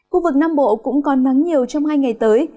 khu vực nam bộ cũng có nắng nhiều trong hai ngày tới